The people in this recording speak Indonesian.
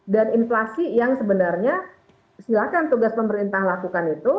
dan inflasi yang sebenarnya silakan tugas pemerintah lakukan itu